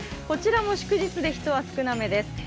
こちらも祝日で、人は少なめです。